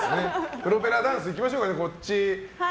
プロペラダンスいきましょうか。